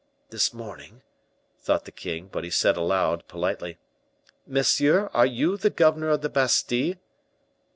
"This morning!" thought the king; but he said aloud, politely, "Monsieur, are you the governor of the Bastile?"